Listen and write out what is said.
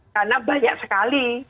karena banyak sekali